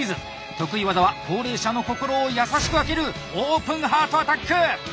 得意技は高齢者の心を優しく開けるオープンハートアタック！